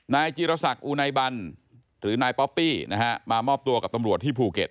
นายจิรษักร์อุนัยบัลหรือนายป๊อปปี้มามอบตัวกับตำรวจที่ภูเก็ต